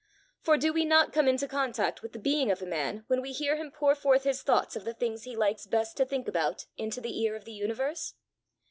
For do we not come into contact with the being of a man when we hear him pour forth his thoughts of the things he likes best to think about, into the ear of the universe?